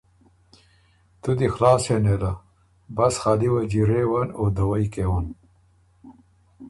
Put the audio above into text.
تُو دی خلاص هې نېله بس خالی وه جیرېون او دَوئ کېون